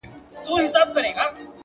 ما په خريلي مخ الله ته سجده وکړه!!